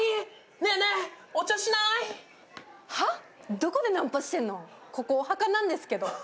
どこでナンパしてんの、ここお墓なんですけど。